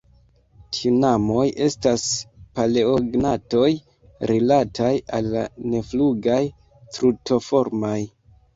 Tinamoj estas paleognatoj rilataj al la neflugaj Strutoformaj.